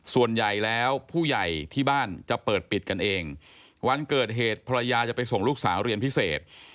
ส่วนใหญ่แล้วผู้ใหญ่ที่บ้านจะเปิดปิดกันเองวันเกิดเหตุภรรยาจะไปส่งลูกสาวเรียนพิเศษ